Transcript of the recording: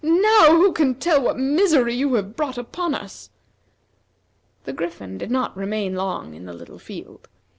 Now who can tell what misery you have brought upon us." The Griffin did not remain long in the little field.